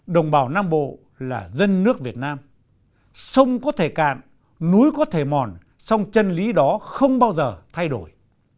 đồng bào nam bộ là dân nước việt nam sông có thể cạn núi có thể mòn sông chân lý đó không bao giờ thay đổi